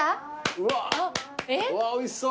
うわおいしそう。